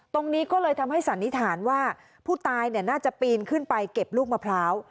ตรงนี้ก็เลยทำให้สันนิษฐานว่าผู้ตายน่าจะปีนขึ้นไปเก็บลูกมะพร้าว